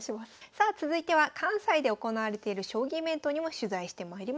さあ続いては関西で行われている将棋イベントにも取材してまいりました。